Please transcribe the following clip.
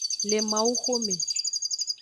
Le mawu xome.